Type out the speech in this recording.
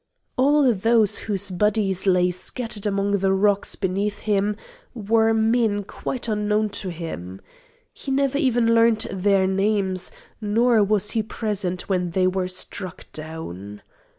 All those whose bodies lay scattered among the rocks beneath him were men quite unknown to him. He never even learnt their names, nor was he present when they were struck down.